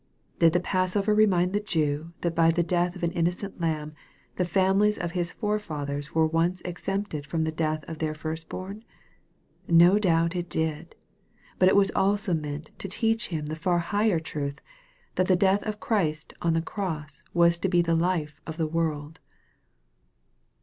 Did the passover remind the Jew, that by the death of an innocent lamb, the families of his forefathers were once exempted from the death of their first born ? No doubt it did. But it was also meant to teach him the far higher truth, that the death of Christ on th* cross was to be the life of the world.